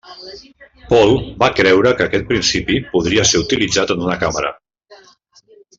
Paul va creure que aquest principi podria ser utilitzat en una càmera.